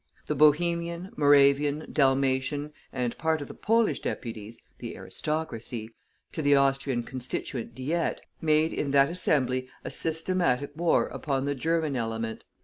The Bohemian, Moravian, Dalmatian, and part of the Polish deputies (the aristocracy) to the Austrian Constituent Diet, made in that Assembly a systematic war upon the German element.